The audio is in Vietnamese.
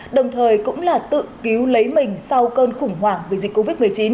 đồng thời cũng là tự cứu lấy mình sau cơn khủng hoảng vì dịch covid một mươi chín